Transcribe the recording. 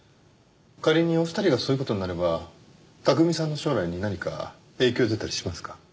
仮にお二人がそういう事になれば巧さんの将来に何か影響出たりしますか？